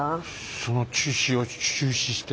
その中止を中止して。